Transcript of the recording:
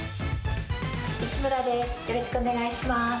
石村です。